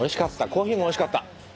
コーヒーもおいしかった。